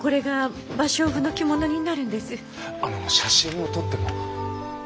あの写真を撮っても？